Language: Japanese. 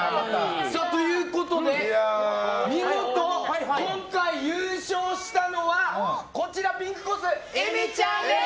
ということで見事今回優勝したのはピンクコースのえめちゃんです！